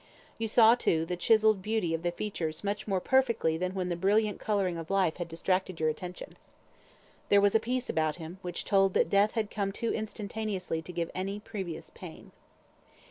You saw, too, the chiselled beauty of the features much more perfectly than when the brilliant colouring of life had distracted your attention. There was a peace about him which told that death had come too instantaneously to give any previous pain.